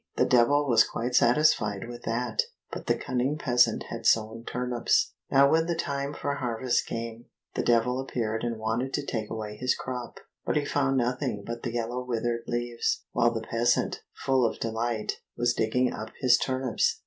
The Devil was quite satisfied with that, but the cunning peasant had sown turnips. Now when the time for harvest came, the Devil appeared and wanted to take away his crop; but he found nothing but the yellow withered leaves, while the peasant, full of delight, was digging up his turnips.